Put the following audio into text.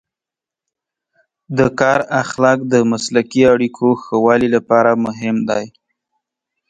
د کار اخلاق د مسلکي اړیکو ښه والي لپاره مهم دی.